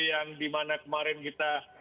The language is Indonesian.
yang dimana kemarin kita